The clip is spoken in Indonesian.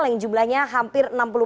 yang jumlahnya hampir